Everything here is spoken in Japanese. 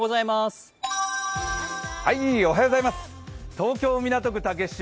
東京・港区竹芝